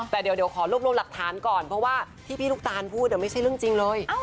แต่เดี๋ยวขอรวบรวมหลักฐานก่อนเพราะว่าที่พี่ลูกตานพูดไม่ใช่เรื่องจริงเลย